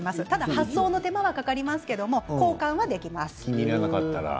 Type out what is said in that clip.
発送の手間はかかりますけれども何度も交換できます。